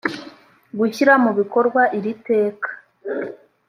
gushyira mu bikorwa iri teka